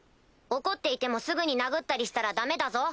怒っていてもすぐに殴ったりしたらダメだぞ？